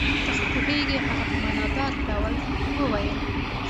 ته خو پوهېږې. هغه په معنی دار ډول وویل.